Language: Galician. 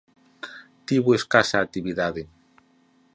Tivo escasa actividade.